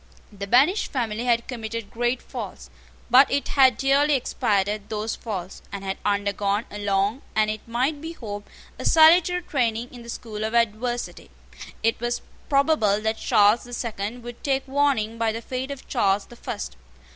The banished family had committed great faults; but it had dearly expiated those faults, and had undergone a long, and, it might be hoped, a salutary training in the school of adversity. It was probable that Charles the Second would take warning by the fate of Charles the First.